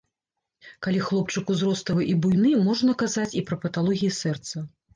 Калі хлопчык узроставы і буйны, можна казаць і пра паталогіі сэрца.